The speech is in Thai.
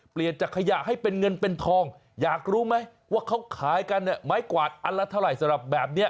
เปลี่ยนจากขยะให้เป็นเงินเป็นทองอยากรู้ไหมว่าเขาขายกันเนี่ยไม้กวาดอันละเท่าไหร่สำหรับแบบนี้